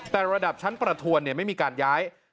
แต่ระดับชั้นประทวนไม่มีการย้าย